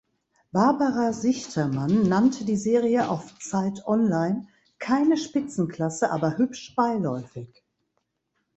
Barbara Sichtermann nannte die Serie auf Zeit Online "keine Spitzenklasse, aber hübsch beiläufig.